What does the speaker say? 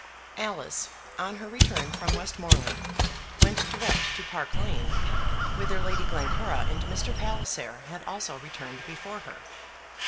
Alice, on her return from Westmoreland, went direct to Park Lane, whither Lady Glencora and Mr. Palliser had also returned before her.